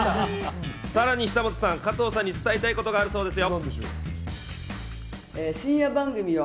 さらに久本さんから加藤さんに伝えたいことがあるそうですよ。